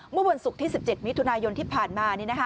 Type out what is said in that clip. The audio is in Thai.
เมื่อวันศุกร์ที่๑๗มิถุนายนที่ผ่านมา